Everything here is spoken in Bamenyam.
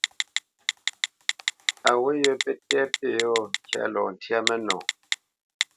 A wǔt yə pə́ tɛ̂ pí yɔ̂ ŋkya lɔ ntyá mə́nɔ.